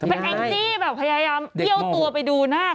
เป็นแองจี้แบบพยายามเบี้ยวตัวไปดูหน้า